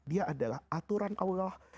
dia adalah aturan allah